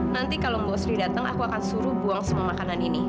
nanti kalau mbak sri datang aku akan suruh buang semua makanan ini